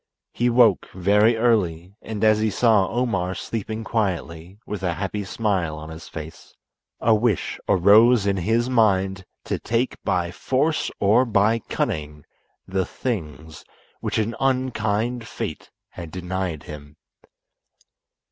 He woke very early, and as he saw Omar sleeping quietly, with a happy smile on his face, a wish arose in his mind to take by force or by cunning the things which an unkind fate had denied him.